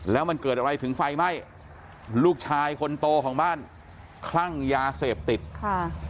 แล้วมันเกิดอะไรถึงไฟไหม้ลูกชายคนโตของบ้านคลั่งยาเสพติดค่ะ